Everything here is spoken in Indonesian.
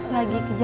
lagi ke jakarta